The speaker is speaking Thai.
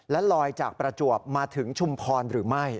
และลอยจากประจวบมาถึงชุมพรหรือไม่